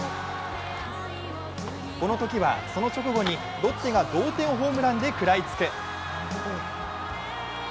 このときはその直後にロッテが同点ホームランで食らいつく。